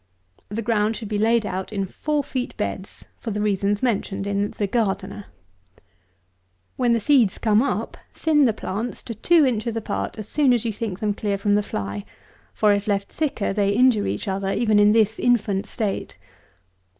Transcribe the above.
The ground should be laid out in four feet beds for the reasons mentioned in the "Gardener." When the seeds come up, thin the plants to two inches apart as soon as you think them clear from the fly; for, if left thicker, they injure each other even in this infant state.